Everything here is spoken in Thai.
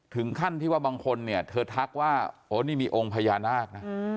ถึงขั้นที่ว่าบางคนเนี่ยเธอทักว่าโอ้นี่มีองค์พญานาคนะ